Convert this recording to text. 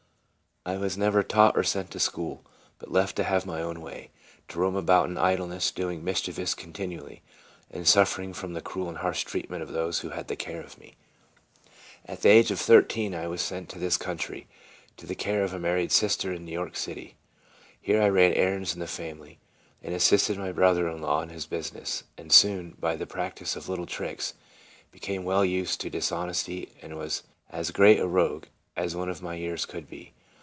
I was never taught or sent to school, but left to have my own way; to roam about in idleness, doing mischief continually, and*suf fering from the cruel and harsh treatment of those who had the care of me. CHILDHOOD AND YOUTH. 9 At the age of thirteen I was sent to this country, to the care of a married sister in New York city. Here I ran errands in the family, and assisted my brother in law in his business, and soon, by the practice of little tricks, became well used to dishonesty, and was as great a rogue as one of my years could be.